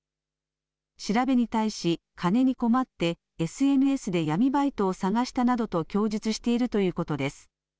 調べに対し金に困ってＳＮＳで闇バイトを探したなどと供述しているということです。